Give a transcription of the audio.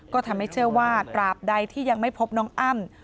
ก็ทำให้เชื่อว่าตราบใดที่ยังไม่พบน้องอ้ำ